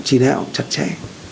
chỉ đạo chặt chẽ